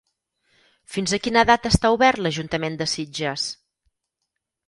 Fins a quina data està obert l'Ajuntament de Sitges?